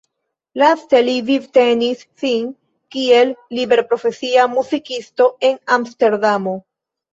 Laste li vivtenis sin kiel liberprofesia muzikisto en Amsterdamo.